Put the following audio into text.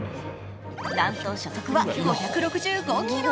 なんと、射速は５６５キロ。